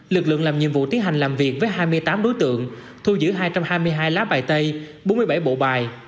lực lượng làm nhiệm vụ tiến hành làm việc với hai mươi tám đối tượng thu giữ hai trăm hai mươi hai lá bài tay bốn mươi bảy bộ bài